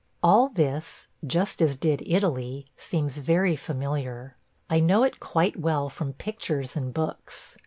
All this, just as did Italy, seems very familiar. I know it quite well from pictures and books.